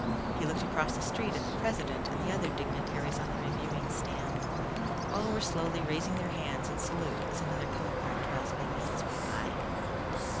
He looked across the street at the president and the other dignitaries on the reviewing stand. All were slowly raising their hands in salute as another color guard drowsily made its way by.